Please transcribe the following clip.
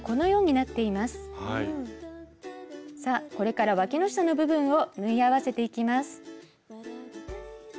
さあこれからわきの下の部分を縫い合わせていきます。